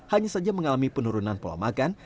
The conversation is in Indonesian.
hanya saja mengalami penurunan pola makan